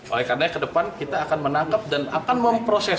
oleh karena ke depan kita akan menangkap dan akan memproses